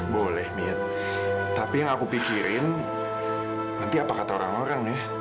boleh min tapi yang aku pikirin nanti apa kata orang orang nih